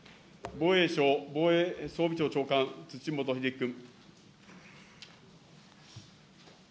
防衛省防衛装備庁長官、土本英樹君。